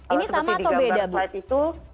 ini sama atau beda bu